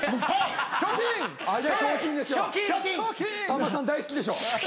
さんまさん大好きでしょ。